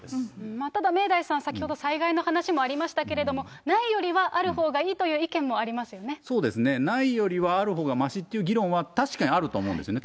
また、明大さん、先ほど災害の話もありましたけれども、ないよりはあるほうがいいそうですね、ないよりはあるほうがましっていう議論は、確かにあると思うんですね。